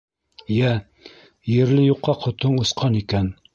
— Йә, ерле юҡҡа ҡотоң осҡан икән.